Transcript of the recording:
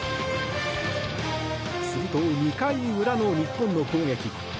すると、２回裏の日本の攻撃。